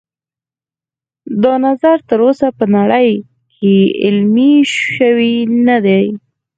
دا نظریه تر اوسه په نړۍ کې عملي شوې نه ده